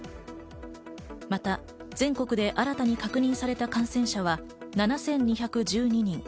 また全国で新たに確認された感染者は７２１２人。